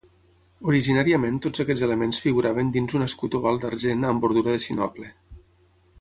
Originàriament tots aquests elements figuraven dins un escut oval d'argent amb bordura de sinople.